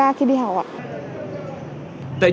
tại trường trung học phổ thông việt đức